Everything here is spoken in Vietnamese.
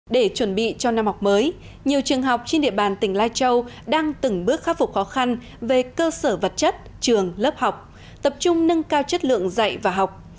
để chuẩn bị cho năm học mới nhiều trường học trên địa bàn tỉnh lai châu đang từng bước khắc phục khó khăn về cơ sở vật chất trường lớp học tập trung nâng cao chất lượng dạy và học